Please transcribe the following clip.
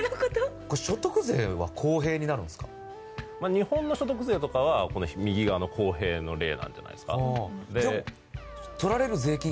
日本の所得税とかはこの右側の公平の例なんじゃないですか？